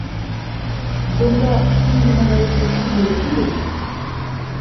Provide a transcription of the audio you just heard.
— Бында һин генә ғәйепле түгел бит...